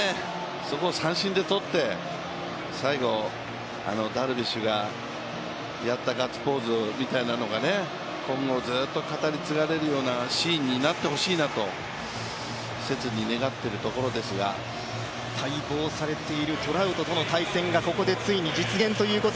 そこを三振でとって最後、ダルビッシュがやったガッツポーズみたいなのが今後、ずーっと語り継がれるようなシーンになってほしいなと待望されているトラウトとの対戦がここで実現か。